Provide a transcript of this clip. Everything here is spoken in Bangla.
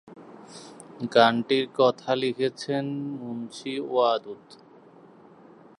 গানটির কথা লিখেছেন মুন্সী ওয়াদুদ।